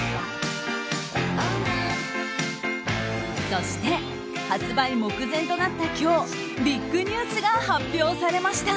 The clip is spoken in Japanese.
そして発売目前となった今日ビッグニュースが発表されました。